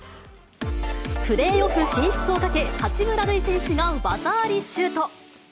プレーオフ進出をかけ、八村塁選手が技ありシュート。